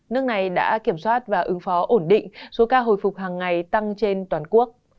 nước này đã kiểm soát và ứng phó ổn định số ca hồi phục hàng ngày tăng trên toàn quốc